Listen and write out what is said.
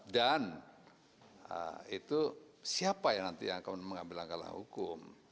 dan itu siapa yang nanti akan mengambil langkah langkah hukum